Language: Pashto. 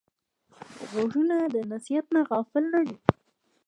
غوږونه د نصیحت نه غافل نه دي